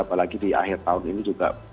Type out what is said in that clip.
apalagi di akhir tahun ini juga